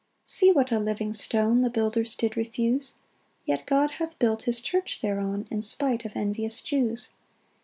1 See what a living stone The builders did refuse; Yet God hath built his church thereon In spite of envious Jews.